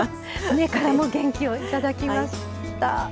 目からも元気をいただきました。